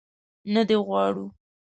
نه دې غواړو.